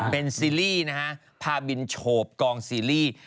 เป็นซีรีส์นะฮะพาบินโฉบกองซีรีส์